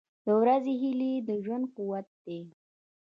• د ورځې هیلې د ژوند قوت دی.